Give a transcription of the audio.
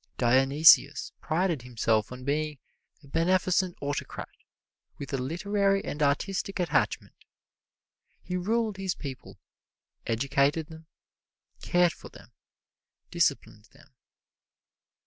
Dionysius prided himself on being a Beneficent Autocrat, with a literary and artistic attachment. He ruled his people, educated them, cared for them, disciplined them.